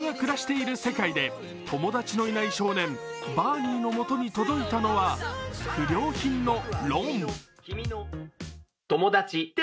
夢のようなデバイス、Ｂボットと人が暮らしている世界で友達のいない少年・バーニーのもとに届いたのは不良品のロン。